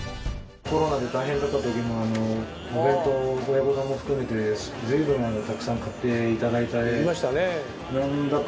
コロナで大変だった時もお弁当を親子丼も含めて随分たくさん買っていただいて。